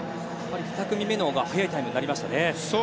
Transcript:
２組目のほうが速いタイムになりましたね。